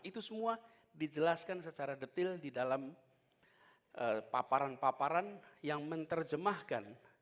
itu semua dijelaskan secara detail di dalam paparan paparan yang menerjemahkan